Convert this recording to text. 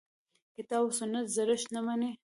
کتاب او سنت زړښت نه مني.